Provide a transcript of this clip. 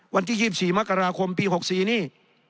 วันที่๒๔มกราคมปี๖๔นี่